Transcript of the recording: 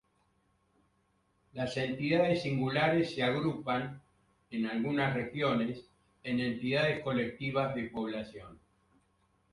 Las entidades singulares se agrupan, en algunas regiones, en entidades colectivas de población.